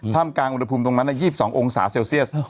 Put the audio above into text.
กลางอุณหภูมิตรงนั้น๒๒องศาเซลเซียส